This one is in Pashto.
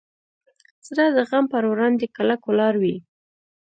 زړه د غم پر وړاندې کلک ولاړ وي.